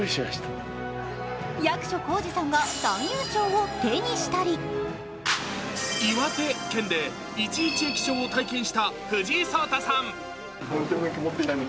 役所広司さんが男優賞を手にしたり岩手県で一日駅長を体験した藤井聡太さん。